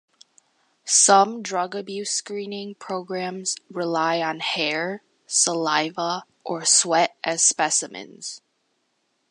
Some drug abuse screening programs rely on hair, saliva, or sweat as specimens.